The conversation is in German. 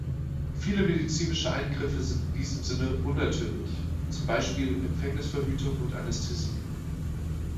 Viele medizinische Eingriffe sind in diesem Sinne „unnatürlich“ (zum Beispiel Empfängnisverhütung und Anästhesie).